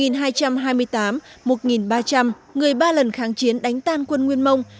người ba lần kháng chiến đánh tan quân nguyên mông